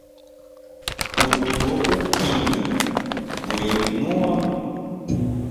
Utu bokukina go yimunua.